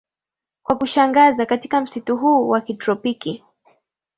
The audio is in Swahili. Kwa kushangaza katika msitu huu wa kitropiki